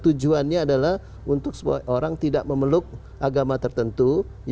tujuannya adalah untuk orang tidak memeluk agama tertentu